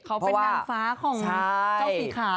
เขาเป็นนางฟ้าของเจ้าสีขาว